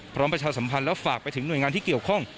ประชาสัมพันธ์แล้วฝากไปถึงหน่วยงานที่เกี่ยวข้อง